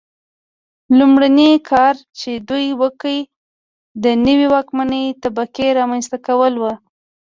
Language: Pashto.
لومړنی کار چې دوی وکړ د نوې واکمنې طبقې رامنځته کول و.